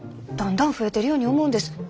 だんだん増えてるように思うんです。